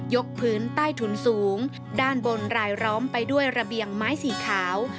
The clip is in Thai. กพื้นใต้ถุนสูงด้านบนรายล้อมไปด้วยระเบียงไม้สีขาว